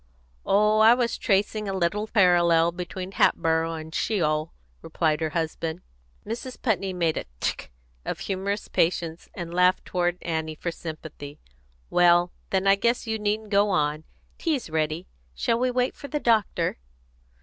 "Oh, I was just tracing a little parallel between Hatboro' and Sheol," replied her husband. Mrs. Putney made a tchk of humorous patience, and laughed toward Annie for sympathy. "Well, then, I guess you needn't go on. Tea's ready. Shall we wait for the doctor?"